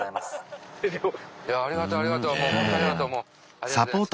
ありがとうございます。